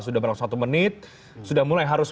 sudah berlaku satu menit sudah mulai harus